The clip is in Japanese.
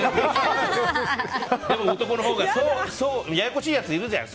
ややこしいやついるじゃん。